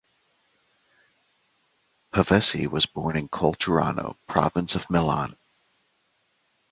Pavesi was born in Colturano, province of Milan.